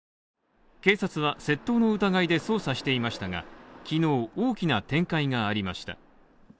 警察は窃盗の疑いで捜査していましたが、昨日、大きな展開がありました。